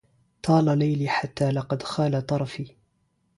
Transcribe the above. طال ليلي حتى لقد خال طرفي